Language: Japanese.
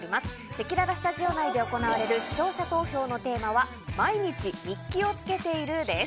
せきららスタジオ内で行われる視聴者投票のテーマは毎日日記をつけているです。